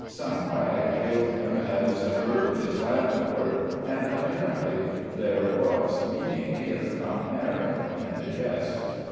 Some wag hailed him as "Burbage's Landlord," and apparently there was meaning, if not merit, in the jest.